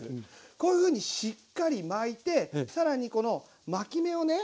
こういうふうにしっかり巻いて更にこの巻き目をね